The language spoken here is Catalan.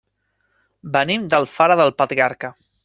Venim d'Alfara del Patriarca.